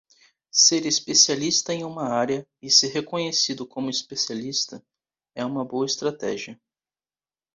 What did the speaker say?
Ser especialista em uma área e ser reconhecido como especialista é uma boa estratégia.